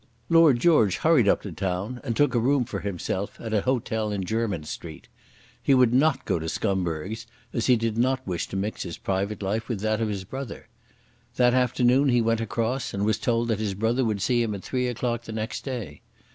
Lord George hurried up to town, and took a room for himself at an hotel in Jermyn Street. He would not go to Scumberg's, as he did not wish to mix his private life with that of his brother. That afternoon he went across, and was told that his brother would see him at three o'clock the next day.